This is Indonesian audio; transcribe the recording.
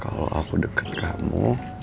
kalau aku deket kamu